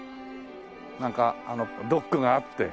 なんかあのドックがあって。